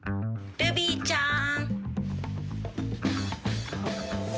ルビーちゃん。